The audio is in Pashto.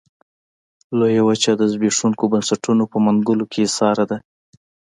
لویه وچه د زبېښونکو بنسټونو په منګلو کې ایساره ده.